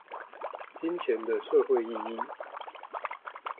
金錢的社會意義